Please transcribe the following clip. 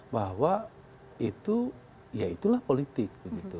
bahwa itu ya itulah politik begitu